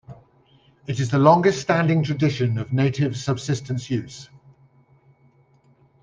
It is the longest standing tradition of native subsistence use.